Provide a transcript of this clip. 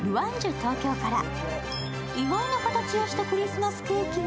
東京から意外な形をしたクリスマスケーキが。